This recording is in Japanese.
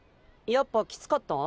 やっぱキツかった？